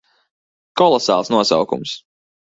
Kolosāls nosaukums.